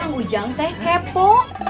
ih kang ujang teh kepo